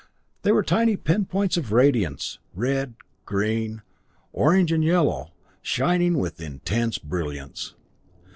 They were tiny pinpoints of radiance, red, green, orange, and yellow, shining with intense brilliance.